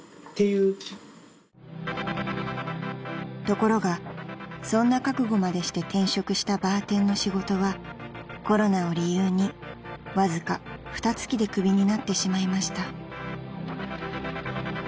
［ところがそんな覚悟までして転職したバーテンの仕事はコロナを理由にわずかふた月で首になってしまいました］